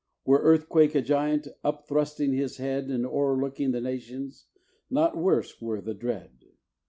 Were earthquake a giant, up thrusting his head And o'erlooking the nations, not worse were the dread.